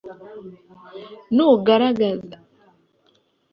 nurangiza ubishakire intego ugaragaza n’amategeko y’igenamajwi.